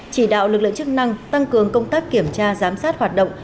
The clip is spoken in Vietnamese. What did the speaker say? chỉ đạo lực lượng chức năng tăng cường công tác kiểm tra giám sát hoạt động